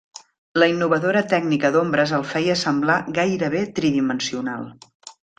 La innovadora tècnica d'ombres el feia semblar gairebé tridimensional.